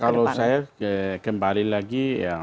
kalau saya kembali lagi